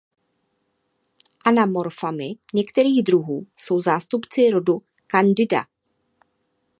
Anamorfami některých druhů jsou zástupci rodu "Candida".